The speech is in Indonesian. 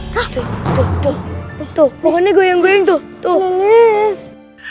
tuh tuh tuh pokoknya goyang goyang tuh tuh